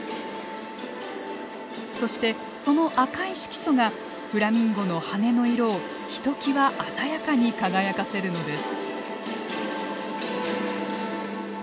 そしてその赤い色素がフラミンゴの羽根の色をひときわ鮮やかに輝かせるのです。